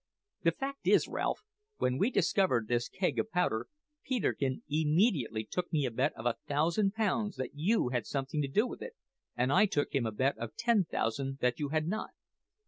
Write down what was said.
The fact is, Ralph, when we discovered this keg of powder Peterkin immediately took me a bet of a thousand pounds that you had something to do with it, and I took him a bet of ten thousand that you had not."